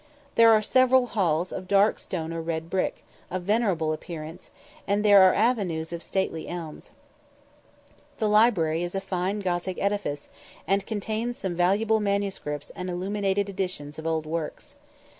There are several halls of dark stone or red brick, of venerable appearance, and there are avenues of stately elms. The library is a fine Gothic edifice, and contains some valuable manuscripts and illuminated editions of old works.